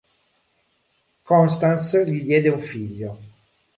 Constance gli diede un figlio.